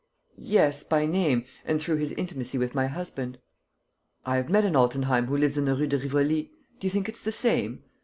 "Yes, by name, and through his intimacy with my husband." "I have met an Altenheim who lives in the Rue de Rivoli. Do you think it's the same?"